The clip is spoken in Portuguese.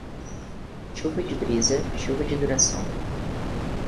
Chuva de brisa, chuva de duração.